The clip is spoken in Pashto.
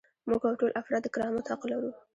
موږ او ټول افراد د کرامت حق لرو.